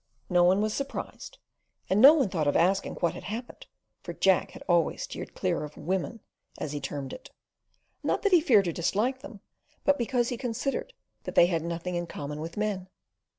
No one was surprised, and no one thought of asking what had happened, for Jack had always steered clear of women, as he termed it. Not that he feared or disliked them, but because he considered that they had nothing in common with men.